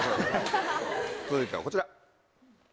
続いてはこちら。